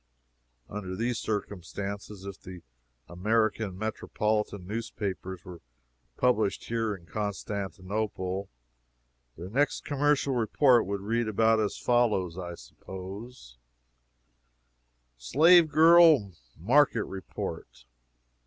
Under these circumstances, if the American metropolitan newspapers were published here in Constantinople, their next commercial report would read about as follows, I suppose: SLAVE GIRL MARKET REPORT.